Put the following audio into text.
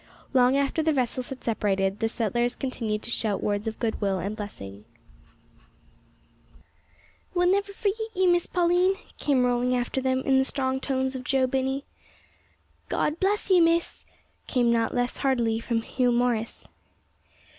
Long after the vessels had separated the settlers continued to shout words of good will and blessing, "We'll never forgit ye, Miss Pauline," came rolling after them in the strong tones of Joe Binney. "God bless you, Miss," came not less heartily from Hugh Morris.